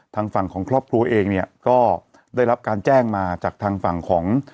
ทางฝั่งของครอบครัวเองเนี่ยก็ได้รับการแจ้งมาจากทางฝั่งของ